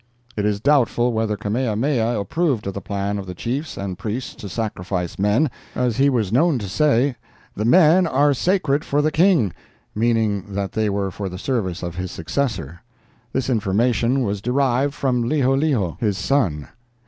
It is doubtful whether Kamehameha approved of the plan of the chiefs and priests to sacrifice men, as he was known to say, 'The men are sacred for the King;' meaning that they were for the service of his successor. This information was derived from Liholiho, his son.